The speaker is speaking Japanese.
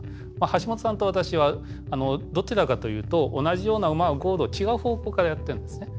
橋本さんと私はどちらかというと同じようなことを違う方向からやってるんですね。